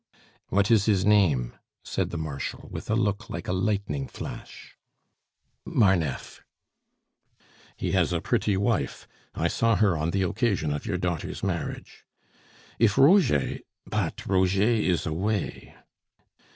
"What is his name?" said the Marshal, with a look like a lightning flash. "Marneffe." "He has a pretty wife; I saw her on the occasion of your daughter's marriage. If Roger but Roger is away!